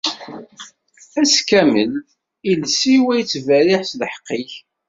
Ass kamel, lles-iw ad ittberriḥ s lḥeqq-ik.